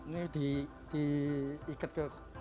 ini diikat ke